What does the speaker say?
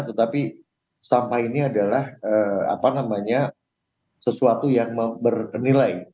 tetapi sampah ini adalah sesuatu yang bernilai